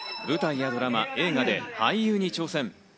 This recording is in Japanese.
舞台やドラマ、映画で俳優に挑戦。